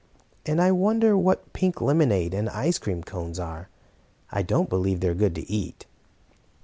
And I wonder what pink lemonade and ice cream cones are? I don't believe they are good to eat."